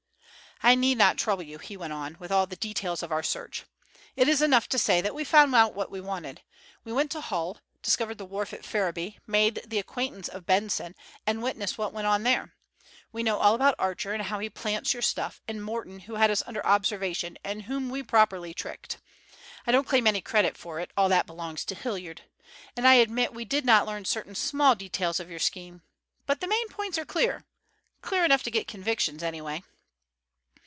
"I need not trouble you," he went on, "with all the details of our search. It is enough to say that we found out what we wanted. We went to Hull, discovered the wharf at Ferriby, made the acquaintance of Benson, and witnessed what went on there. We know all about Archer and how he plants your stuff, and Morton, who had us under observation and whom we properly tricked. I don't claim any credit for it; all that belongs to Hilliard. And I admit we did not learn certain small details of your scheme. But the main points are clear—clear enough to get convictions anyway."